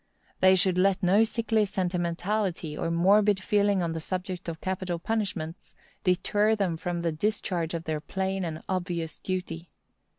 They should let no sickly sentimentality, or morbid feeling on the subject of capital punishments, deter them from the discharge of their plain and obvious duty.